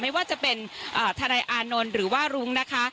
ไม่ว่าจะเป็นทนายอานนท์หรือว่ารุ้งนะคะ